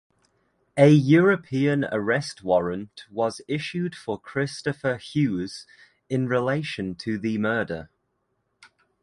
A European Arrest Warrant was issued for Christoper Hughes in relation to the murder.